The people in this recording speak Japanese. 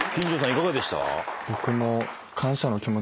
いかがでした？